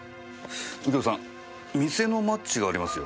右京さん店のマッチがありますよ。